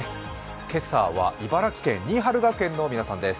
今朝は茨城県新治学園の皆さんです。